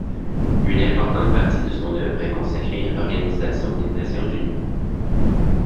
Une importante partie de son œuvre est consacrée à l'Organisation des Nations unies.